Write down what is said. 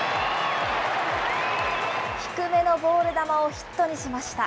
低めのボール球をヒットにしました。